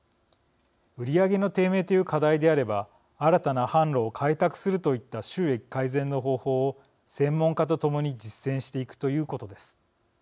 売り上げの低迷という課題であれば新たな販路を開拓するといった収益改善の方法を専門家と共に実践していくということです。